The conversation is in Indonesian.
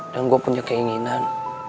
dan aku punya keinginan